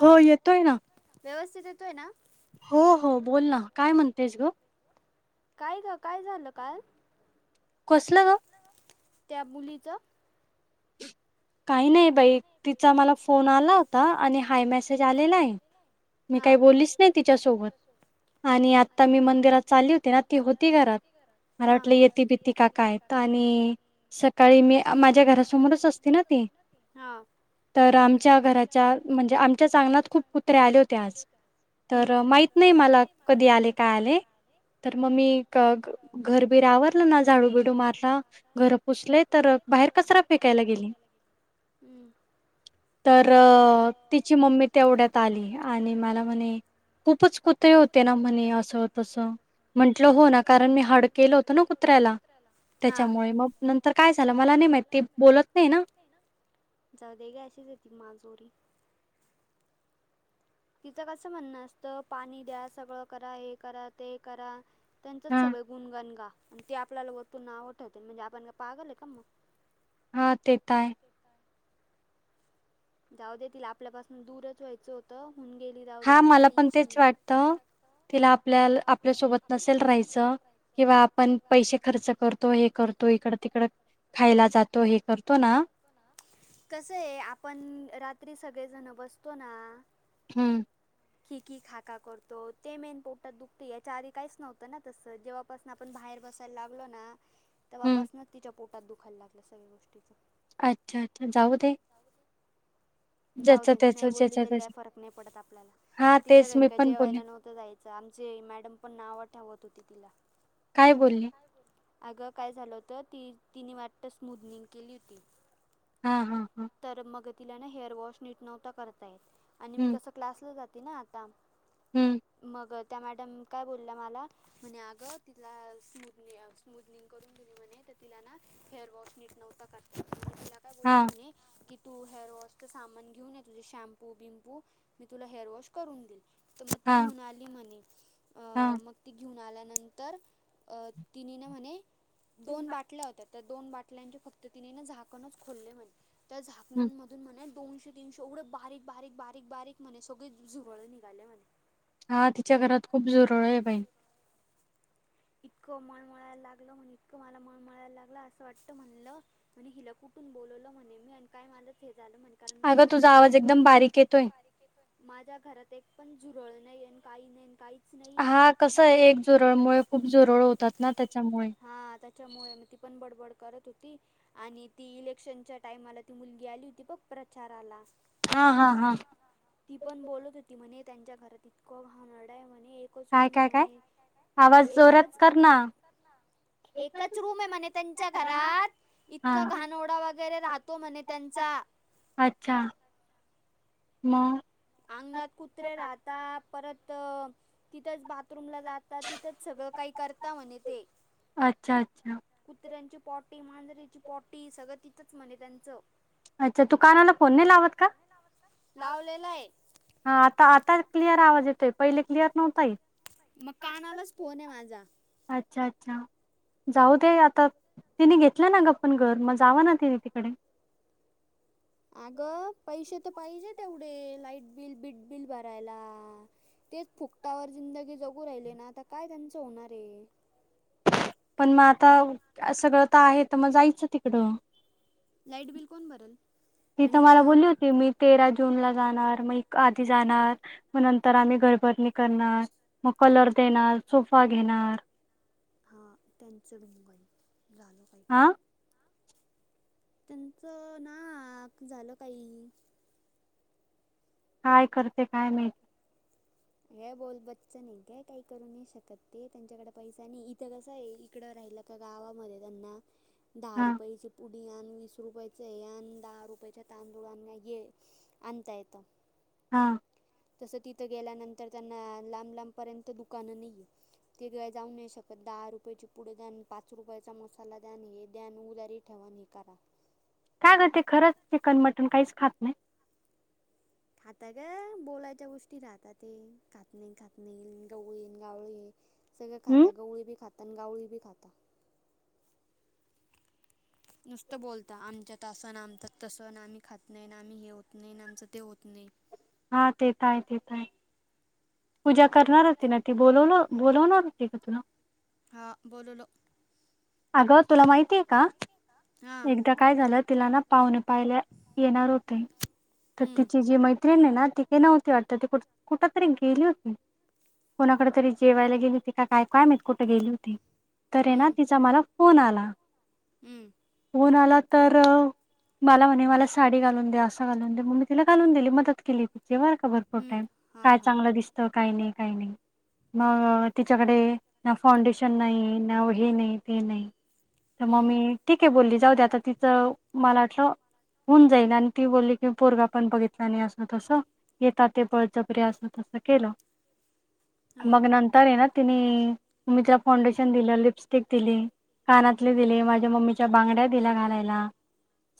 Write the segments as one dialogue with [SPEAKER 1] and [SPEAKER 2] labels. [SPEAKER 1] हो येतोय ना.
[SPEAKER 2] देतोय ना?
[SPEAKER 1] हो हो बोल ना काय म्हणतेस ग?
[SPEAKER 2] काय गं काय झालं काल?
[SPEAKER 1] कसलं ग?
[SPEAKER 2] त्या मुलीचं
[SPEAKER 1] काही नाही बाई तिचा मला फोन आला होता आणि हाय मेसेज आला. मी काही बोललीच नाही तिच्यासोबत आणि आता मी मंदिरात चालली होते ना ती होती घरात मला वाटलं येते बीती काय आणि सकाळी मी माझ्या घरासमोरच असती ना ती. तर आमच्या घराच्या म्हणजे आमच्या आगनात खूप कुत्रे आले होते. तर माहित नाही मला कधी आले काय आले. तर मग मी घरबिर आवरलं ना झाडू बिडू मारला घर पुसले तर बाहेर कचरा फेकायला गेली. तर अ तिची मम्मी तेवढ्यात आली आणि मला म्हणे खूपच कुत्रे होते ना म्हणे असं तसं म्हंटल हो ना कारण मी हडकल होतो ना कुत्र्याला त्यांच्यामुळे मग नंतर काय झालं मला नाही माहित.
[SPEAKER 2] जाऊ दे गे अशीच आहेत माजोरी. तिचं कसं म्हणणं असत पाणी द्या सगळं करा हे करा ते करा. त्यांचच सगळं गुणगाणगा आणि ते आपल्याला वरतून नाव ठेवतात म्हणजे आपण का पागल हाय का म.
[SPEAKER 1] हा तेे ताय.
[SPEAKER 2] जाऊ दे तीला आपल्यापासून दूरच व्हायचं होतं.
[SPEAKER 1] हा मला पण तेच वाटत. तिला आपल्याल आप - - पल्या सोबत नसेल राहायच किंवा आपण पैसे खर्च करतो हे करतो इकड- - तिकड खायला जात - -
[SPEAKER 2] कसयं आपण रात्रीचं सगळे जण बसतो ना - -
[SPEAKER 1] हम्म.
[SPEAKER 2] खी की खाका करतो. ते मेन पोटात दुखती यांच्या आधी काहीच नव्हतं ना तसं जेव्हापासून आपण बाहे बाहेर बसाय लागलोना तेव्हापासुनचं तिच्या पोटात दुखायला लागल. सगळ्या गोष्टी - -
[SPEAKER 1] अच्छा अच्छा जाऊ दे.
[SPEAKER 2] जाऊ दे. नाही बोलली तरी काय फरक नाही पडत आपल्याला तिच्या घरी काय जेवायला नव्हतं जायचं. जे मॅडम पण नाव ठेवत होती तिला.
[SPEAKER 1] काय बोली?
[SPEAKER 2] अगं काय झालं होतं ती तिन वाटत स्मूदनिंग केली होती.
[SPEAKER 1] हा हा हा.
[SPEAKER 2] तिला ना हेअर वॉश नीट नव्हता करता येत आणि मी कस क्लासला जाते ना आता. मग. त्या मॅडम काय बोलल्या मला म्हणे अगं तिला स्मूदनी स्मूदनिंग करून दिली म्हणे. तिला ना हेअर वॉश नीट नव्हता [unintelligible]
[SPEAKER 1] हा.
[SPEAKER 2] तू हेअर वॉशच सामान घेऊन ये. तुझे शॅम्पू बिम्पू मी तुला हेअर वॉश करून दिलं. तर मग ती घेऊन आली म्हणे अ मग ती घेऊन आला नंतर अ तिन न म्हणे दोन बाटल्या होत्या. त्या दोन बाटल्यांचे फक्त तिने ना झाकणच खोलले म्हणे त्या झाकणमधून म्हणे दोनशे तीनशे एवढं बारीक बारीक बारीक बारीक म्हणे सगळे झुरळे निघाले म्हणे
[SPEAKER 1] हा तिच्या घरात खूप झुरळ आहे बाई. [inaudible]
[SPEAKER 2] इक मन मळायला लागलं म्हण इतकं मला मन मळायला लागलं असं वाटत म्हणलं म्हणे हिला कुठून बोलवलं म्हणे मी आणि काय माझ हे झालं म्हणे कारण माझ्या घरात एकपण माझ्या घरात एक पण झुरळ नाही काही नाही काही
[SPEAKER 1] हा कस आहे एक झुरळामुळे खूप झुरळ होतात ना त्यांच्यामुळे
[SPEAKER 2] बडबड करत होती आणि ती इलेक्शनच्या टाइमाला ती मुलगी आली होती बघ प्रचाराला ती पण बोलत होती म्हणे त्यांच्या घरात इतकं घाणेरडं आहे म्हणे
[SPEAKER 1] काय काय काय आवाज जोरात कर ना.
[SPEAKER 2] एकच रूम आहे म्हणे त्यांच्या घरात इतका घाणोडा वगैरे राहतो म्हणे त्यांचा
[SPEAKER 1] अच्छा मग
[SPEAKER 2] अंगणात कुत्रे राहता परत तिथच बाथरूमला जातात तिथंच सगळं काही करता म्हणे ते.
[SPEAKER 1] अच्छा अच्छा.
[SPEAKER 2] पोटी मांजरेची पोटी सगळं तिथंच म्हणे त्यांचं.
[SPEAKER 1] अच्छा तू कानाला फोन नाय लावत का? हा आता आता क्लिअर आवाज येतोय पहिले क्लिअर नव्हता येत.
[SPEAKER 2] मग कानालाच फोन आहे माझा.
[SPEAKER 1] अच्छा-अच्छा. जाऊ दे आता. तिने घेतलं ना गा पन घर. मग जाव ना तिने तिकडे.
[SPEAKER 2] अगं पैसे तर पाहिजे तेवढे, लाईट बिल-बीट-बिल भरायला. तेच फुकटावर जिंदगी जगू राहिले ना, आता काय त्यांचं होणार आहे.
[SPEAKER 1] पण मग आता सगळं तर आहेच, तर मग जायचं तिकडं.
[SPEAKER 2] लाईट बिल कोण भरल आणि इथ
[SPEAKER 1] जून ला जाणार, मग आधी जाणार, मग नंतर आम्ही घरभरणीवर करणार. मग कलर देणार, सोफा घेणार.
[SPEAKER 2] हा त्यांचं विंगण [unintelligible]
[SPEAKER 1] आ.
[SPEAKER 2] त्यांचं ना झालं काही
[SPEAKER 1] काय करते काय माहती?
[SPEAKER 2] हे बोल बच्चन, नाही काय काही करू नाही शकत ते त्यांच्याकडे पैसा नाही इथं कस आहे इकड आपल्या त्या गावामध्ये त्यांना दहा रुपये ची पुडी वीस रुपयाच ते आण, दहा रुपयाचं तांदूळ आण, ये आणता येतं.
[SPEAKER 1] हा.
[SPEAKER 2] तस तिथं गेल्यानंतर त्यांना लांब लांबपर्यंत दुकानं नाही. तिकडे ग जाऊ नाही शकत. दहा रुपयाची पुढ द्यान. पाच रुपयाचा मसाला द्यान. हे द्यान उदारी ठेवा. मनिकराा [unintelligible]
[SPEAKER 1] काय ग ती खरंच चिकन-मटण काहीच खात नाही.
[SPEAKER 2] खाता का बोलायच्या गोष्टी राहतात. ते खात नाही खातने गवळी ये गावळी. सगळे खाता गवळी-बी खाता. आणि गावळी-बी खाता. नुसतं बोलत आमच्यात असं नाय, आमच्यात तसं नाय. आम्ही खात नाही ना, आम्ही हे होत नाही ना, आमचं ते होत नाही.
[SPEAKER 1] हा. तिथं हाय. तिथं हाय. पूजा करणार होती ना ती. बोलवल-बोलवणार होती का तुला?
[SPEAKER 2] हा बोललो [unintelligible]
[SPEAKER 1] अगं तुला माहितीय का? एकदा काय झालं, तिला ना पाहुणे पहायला येणार होते. तर तिची जी मैत्रीण आहे ना, तिथं काही नव्हती वाटत, ते कुठ तरी गेली होती, कोणाकडे तरी जेवायला गेली त का काय? काय माहिती कुठे गेली होती. तर हे ना तिचा मला फोन आला!
[SPEAKER 2] हम्म-
[SPEAKER 1] फोन आला तर मला म्हणे मला साडी घालून द्या. असं घालून द्या मम्मी तिला घाून दिली मदत केली. जेव्हा खबर पोडतय. काय चांगलं दिसतं काही. नाही काही. नाही [unintelligible] मग तिच्याकडे ना फाउंडेशन नाही, ना हे नाही, ते नाही. तर मग मी ठीक आहे बोलली, जाऊ दे आता तिचं मला वाटलं! होऊन-जाईल आणि ती बोलली की पोरगा पण बघितला नाही, असं तसं येतात ते बळजबरी अस. केलं मग नंतर येना तिने मचा फाउंडेशन दिलं, लिपस्टिक दिली. कानातले दिले, माझ्या मम्मीच्या बांगड्या दिल्या घालायला.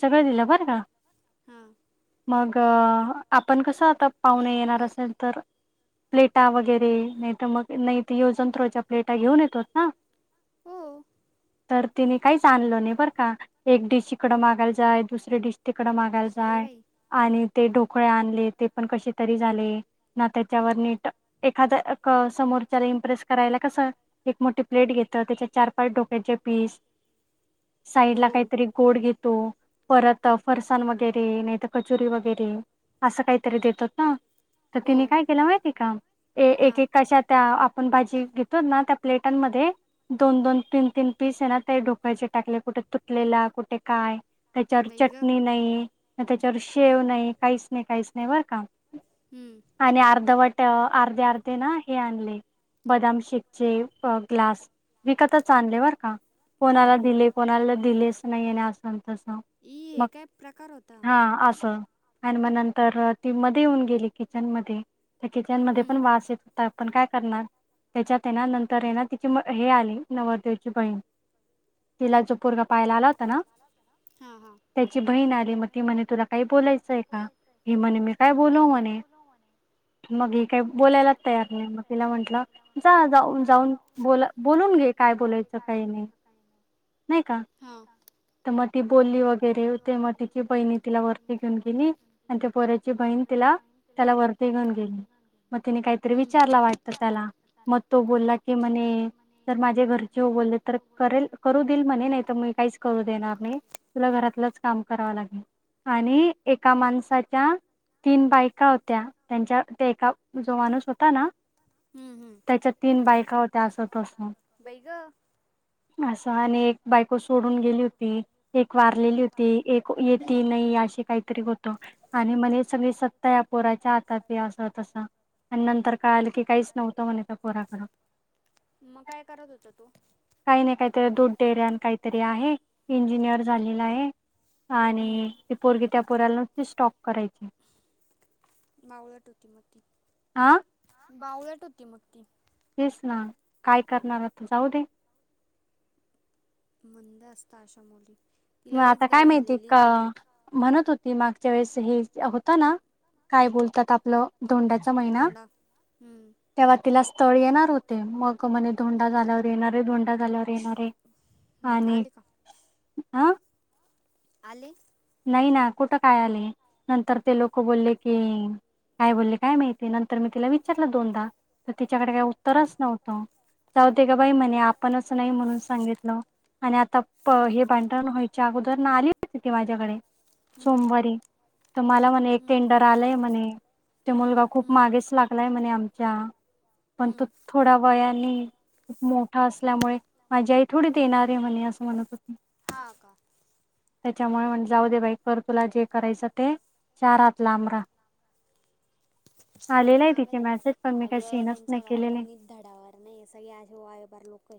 [SPEAKER 1] सगळ दिलं बर का.
[SPEAKER 2] हा.
[SPEAKER 1] मग आपण कसं आता पाहुणे येणार असेल तर प्लेटा वगैरे, नाही तर मग. नाही तर योजनंत्रोच्या प्लेटा घेऊन येतोत ना. तर तिने काही आणलं नाही बरं का. एक टीसिकडं मागायला जाय दुसऱ्या टीसी तिकड मागायला जाय, आणि ते ढोकळे आणले, ते पण कसे तरी झाले. ना त्याच्यावर नीट एखाद समोरच्या रिंग प्रेस करायला कस एक मोठी प्लेट घेत तर त्याच्या चार पाच डोक्याचे पीस साईडला कायतरी गोड घेतो. परत फरसाण वगैरे, नाही तर कचुरी वगैरे, असं काहीतरी देतात ना. तर तिने काय केलं माहितीयका एकेक काळच्या त्या आपण पाहिजे घे ना त्या प्लेटांमध्ये दोन दोन, तीन तीन, पीस हायना ते डोकायचे टाकले कुठे तुटलेला कुठे काय? तेच्यावर चटणी नाही, ना तेच्यावर शेव नाही, काहीच नाही काहीच नाही बरं का. आणि अर्धवट अर्धे अर्धे ना हे आणले. बदाम शेकचे ग्लास विकतच आणले बरं का. कोणाला दिले, कोणाला दिलेच नाहीे ना. तस मग, हां असं. आणि म नंतर ती मध्ये येऊन गेली किचनमध्ये. तर किचनमध्ये पण वास येत होता. पण काय करणार? तेच्यात है ना नंतर ये ना तिथं हे आली नवरदेवची बहीण. तिला जो पोरगा पाहायला आला होता ना?
[SPEAKER 2] हां, हां.
[SPEAKER 1] त्याची बहीण आली म ती म्हणे तुला काय बोलायचंय का? ही म्हणे मी काय बोलू म्हणे. [inaudible] मग काही बोलायलाच तयार नाही. मग तिला म्हंटलं जा जाऊ - जाऊन बोल बोलून घे का काय बोलायच. काय नाही, नायका. बोलली वगैरे ते मग तिची बहिणी तिला वरती घेऊन गेली आणि त्या पोराची बहीण तिला - - त्याला वरती घेऊन गेली. मग तिने काहीतरी विचारला वाटत त्याला, मग तो बोलला की म्हणे - - जर माझ्या घरचे बोलले तर, करेल करू देईल म्हणे, नाही तर मी काहीच करू देणार नाही. तुला घरातलंच काम कराव लागेल आणि एका माणसाच्या तीन बायका होत्या, त्यांच्या त्या एका जो माणूस होता ना? त्याच्या तीन बायका होत्या, अस तस आसं आणि बायको सोडून गेली होती. एक वारलेली होती. एक येती नाही, अशी काहीतरी होत. आणि म्हणे सगळी सत्ता ए आप पोराच्या हातात ए आस तस आणि नंतर कळाल की, काहीच नव्हतं म्हणे त्या पोराकड.
[SPEAKER 2] मग काय?
[SPEAKER 1] काही नाही काहीतरी, दूध डेऱ्या आन काहीतरी आहे, इंजिनियर झालेला आहे आणि ती पोरगी त्या पोराला नुसती स्टॉक करायचे.
[SPEAKER 2] बावळट होती मग ती.
[SPEAKER 1] आ
[SPEAKER 2] बावळट होती मग ती.
[SPEAKER 1] तेच ना? काय करणार आता जाऊ दे.
[SPEAKER 2] मंद असता अशा मुली.
[SPEAKER 1] म आता काय माहिती का म्हणत होत ती मागच्या वेळेस, हे होतं ना काय बोलतात आपलं धोंड्याचा महिना तेव्हा तिला स थळ येणार होते, मग म्हणे धोंडा झाल्यावर येणारे ए, धोंडा झाल्यावर येणार ए.
[SPEAKER 2] हम्म आलिका?
[SPEAKER 1] हां.
[SPEAKER 2] आली.
[SPEAKER 1] नाही ना कुठं काय आलय, नंतर ते लोक बोलले की काय बोलले काय माहिती नंतर मी तिला विचारलं दोनदा तर तिच्याकडे काय उत्तरच नव्हतं. जावुदे ग बाई म्हणे आपणच नाही म्हणून सांगितलं. आणि आता प हे भांडण व्हायच्या अगोदर ना आली होती ती माझ्याकडे सोमवारी त मला म्हणे एक टेंडर आलय म्हणे. तो मुलगा खूप मागेच लागलाय म्हणे आमच्या पण तो थोड्या वयाने मोठा असल्यामुळे माझी आई थोडी देणार आहे म्हणे अस म्हणत होत त्याच्यामुळे म्हटलं. जाऊ दे बाई कर तुला जे करायचं ते चारहात लांब रहा.
[SPEAKER 2] पागल आहेस आग त्यांच्या घरात कोणीच धडावर नाही सगळे असे वायबार लोक हो.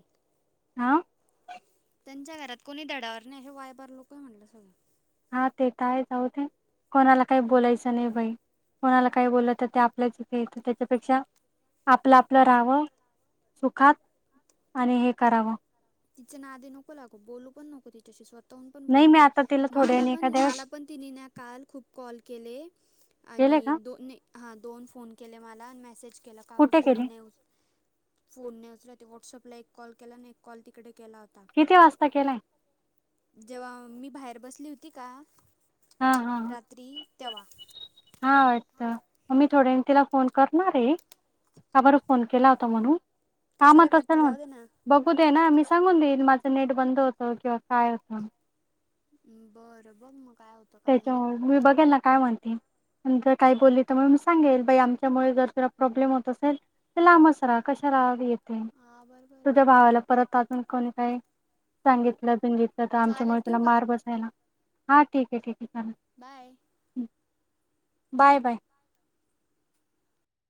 [SPEAKER 1] हां
[SPEAKER 2] त्यांच्या घरात कोणी धडावर नाही असे वायबार लोक म्हटलं सगळ
[SPEAKER 1] हा ते तर आहे जाऊ दे कोणाला काही बोलायचं नाही बाई. कोणाला काही बोलल तर ते आपल्याच इथे येतं त्याच्यापेक्षा आपलं-आपलं राहावं. सुखात आणि हे करावं
[SPEAKER 2] तिच्या नाधी नको लागो बोलू पण नको तिच्याशी स्वतः कोन पण बोलू नको मला पण मला पण तिनीना काल खूप कॉल केले. आणि दोन नी हा दोन फोन केले मला, मेसेज केला का गं फोन नाहीं उ फोन नाही उचला ते व्हॉट्सअप आपला एक कॉल केला आणि एक कॉल तिकडे
[SPEAKER 1] किती वाजता केलाय?
[SPEAKER 2] जेव्हा मी बाहेर बसली होती का?
[SPEAKER 1] हां, हां, हां. मग मी थोड्या तिला फोन करणार आहे, का बर फोन केला होता म्हणून हा मग तस म्हण बघू दे ना मी सांगून देईन माझ नेट बंद होत, किंवा काय होतं.
[SPEAKER 2] बरं बघ मग
[SPEAKER 1] त्याच्यामुळे मी बघेल ना काय म्हणते. पणजर काही बोलली तर म मी सांगेल बाई आमच्यामुळे जर तुला प्रॉब्लेम होत असेल लांबच राहा कशाला येते तुझ्या भावाला परत अजून कोणी काय सांगितलं, बिंगितलं तर आमच्यामुळे तुला मार बसायला हा ठीक आहे, ठीक आहे चालेल.
[SPEAKER 2] बाय.
[SPEAKER 1] बाय-बाय.